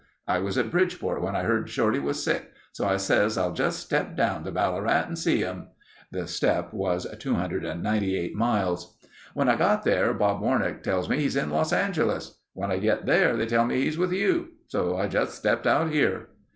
I was at Bridgeport when I heard Shorty was sick, so I says, 'I'll just step down to Ballarat and see him.' (The 'step' was 298 miles.) When I got there Bob Warnack tells me he's in Los Angeles. When I get there they tell me he's with you. So I just stepped out here."